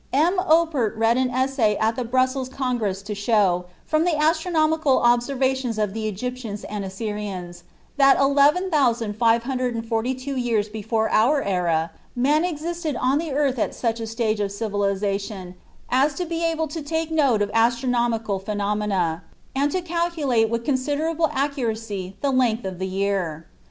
"M. Oppert read an essay at the Brussels Congress to show, from the astronomical observations of the Egyptians and Assyrians, that 11,542 years before our era man existed on the earth at such a stage of civilization as to be able to take note of astronomical phenomena, and to calculate with considerable accuracy the length of the year.